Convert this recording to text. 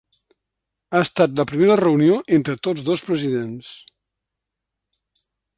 Ha estat la primera reunió entre tots dos presidents.